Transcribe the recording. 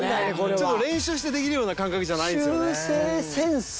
ちょっと練習してできるような感覚じゃないですよね。